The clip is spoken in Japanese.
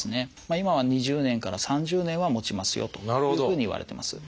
今は２０年から３０年はもちますよというふうにいわれてます。